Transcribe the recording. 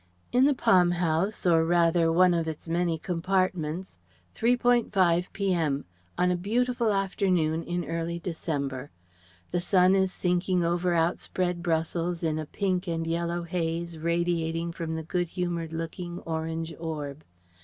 In the Palm House or rather one of its many compartments; 3.5 p.m., on a beautiful afternoon in early December. The sun is sinking over outspread Brussels in a pink and yellow haze radiating from the good humoured looking, orange orb.